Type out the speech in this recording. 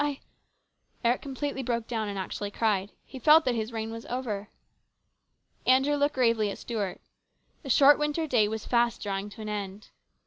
I " Eric completely broke down, and actually cried. He felt that his reign was over. Andrew looked gravely at Stuart. The short winter day was fast drawing to an end.